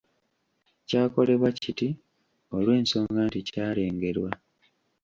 Kyakolebwa kiti olw’ensonga nti kyalengerwa.